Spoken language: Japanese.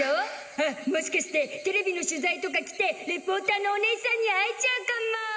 あっもしかしてテレビの取材とか来てレポーターのおねいさんに会えちゃうかも。